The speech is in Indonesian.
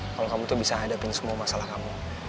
kalau kamu tuh bisa hadapin semua masalah kamu